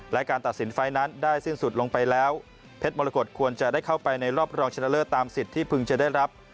และการตัดสินไฟล์นั้นได้สิ้นสุดลงไปแล้วเพชรมรกฏควรจะได้เข้าไปในรอบรองชนะเลิศตามสิทธิ์ที่พึงจะได้รับ